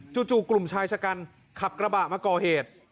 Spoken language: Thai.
จู่กลุ่มชายชะกันขับกระบะมาก่อเหตุ